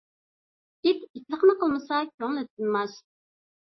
ئىت ئىتلىقىنى قىلمىسا كۆڭلى تىنماس.